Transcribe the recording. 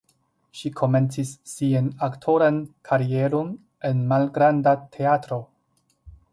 Ŝi komencis sian aktoran karieron en malgranda teatro.